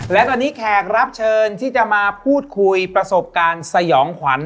และตอนนี้แขกรับเชิญที่จะมาพูดคุยประสบการณ์สยองขวัญ